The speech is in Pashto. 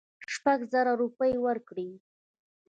شپږزره روپۍ ورکړې.